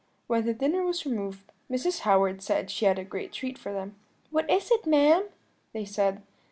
When the dinner was removed, Mrs. Howard said she had a great treat for them. "'What is it, ma'am?' they said.